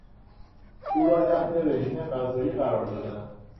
او را تحت رژیم غذایی قرار دادند.